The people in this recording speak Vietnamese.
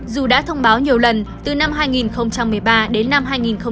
dù đã thông báo nhiều lần từ năm hai nghìn một mươi ba đến năm hai nghìn một mươi bảy